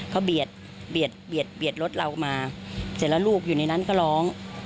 เขาเบียดรถเรามาเสร็จแล้วลูกอยู่ในนั้นก็ร้อง